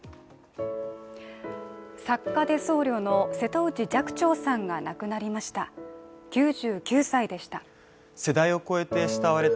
作家で僧侶の瀬戸内寂聴さんが亡くなりました。